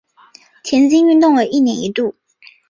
田径运动会为一年一度。